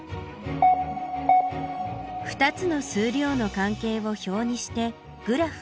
「２つの数量の関係を表にしてグラフを作る」。